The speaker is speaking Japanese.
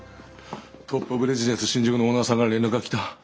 トップオブレジデンス新宿のオーナーさんから連絡が来た。